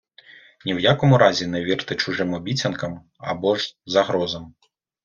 Ні в якому разі не вірте чужим обіцянкам або ж загрозам.